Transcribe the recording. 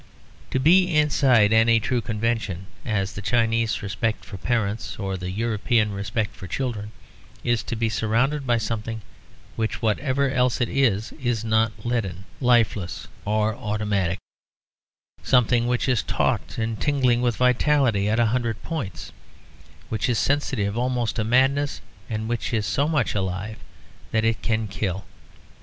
To be inside any true convention, as the Chinese respect for parents or the European respect for children, is to be surrounded by something which whatever else it is is not leaden, lifeless or automatic, something which is taut and tingling with vitality at a hundred points, which is sensitive almost to madness and which is so much alive that it can kill.